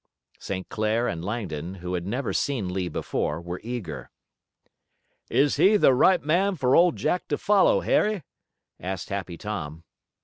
St. Clair and Langdon, who had never seen Lee before, were eager. "Is he the right man for Old Jack to follow, Harry?" asked Happy Tom.